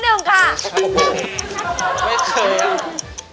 พระเจ้าตากศิลป์